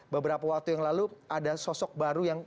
beberapa waktu yang lalu ada sosok baru yang